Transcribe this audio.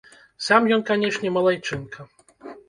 Сам ён, канешне, малайчынка.